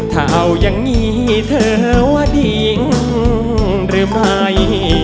ถ้าเอายังงี้เธอว่าดีหรือไม่